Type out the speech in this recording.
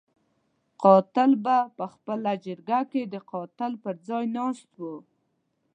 قاتل به په جرګه کې د قاتل پر ځای ناست وو.